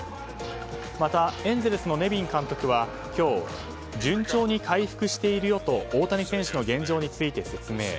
またエンゼルスのネビン監督は今日順調に回復しているよと大谷選手の現状について説明。